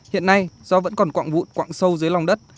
hiện nay do vẫn còn quạng vụn quạng sâu dưới lòng đất